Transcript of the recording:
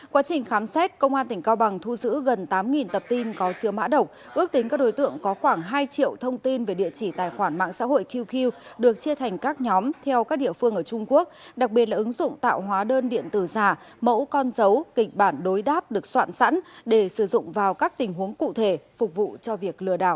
qua trình khám xét công an tỉnh cao bằng thu giữ gần tám tập tin có chưa mã độc ước tính các đối tượng có khoảng hai triệu thông tin về địa chỉ tài khoản mạng xã hội qq được chia thành các nhóm theo các địa phương ở trung quốc đặc biệt là ứng dụng tạo hóa đơn điện tử giả mẫu con dấu kịch bản đối đáp được soạn sẵn để sử dụng vào các tình huống cụ thể phục vụ cho việc lừa đảo